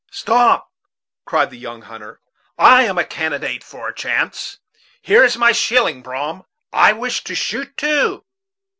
"Stop!" cried the young hunter; "I am a candidate for a chance. Here is my shilling, Brom; I wish a shot too."